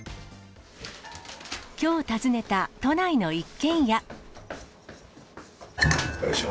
きょう訪ねた都内の一軒家。